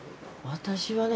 私はね